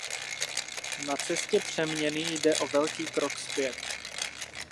Na cestě přeměny jde o velký krok zpět.